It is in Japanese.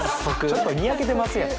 ちょっとニヤけてますやん。